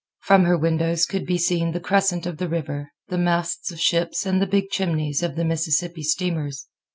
From her windows could be seen the crescent of the river, the masts of ships and the big chimneys of the Mississippi steamers.